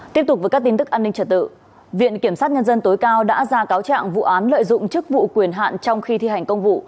tiếp tục với các tin tức an ninh trật tự viện kiểm sát nhân dân tối cao đã ra cáo trạng vụ án lợi dụng chức vụ quyền hạn trong khi thi hành công vụ